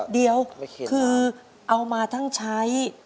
เดี๋ยวคือเอามาทั้งใช้